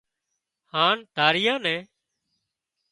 هانَ ڌرايئان نين